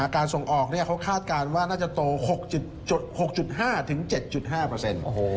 การส่งออกเขาคาดการณ์ว่าน่าจะโต๖๕๗๕เปอร์เซ็นต์